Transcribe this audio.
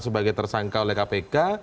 sebagai tersangka oleh kpk